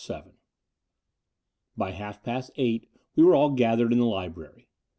XIII By half past eight we were all gathered in the Ubrary.